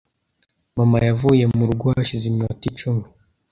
Mama yavuye mu rugo hashize iminota icumi .